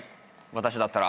私だったら。